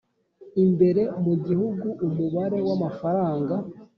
imbere mu gihugu umubare w amafaranga